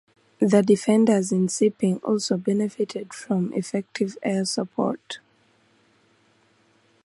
The defenders in Siping also benefited from effective air support.